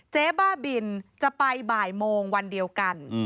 เจ๊บ้าบินจะไปบ่ายโมงวันเดียวกัน